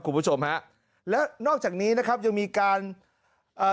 คุณผู้ชมฮะแล้วนอกจากนี้นะครับยังมีการเอ่อ